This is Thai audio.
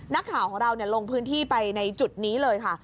นักข่าวของเราลงพื้นที่ไปในจุดนี้เลยค่ะ